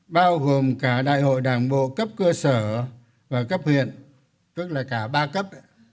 bao gồm cả đại hội đảng bộ cấp cơ sở và cấp huyện tức là cả ba cấp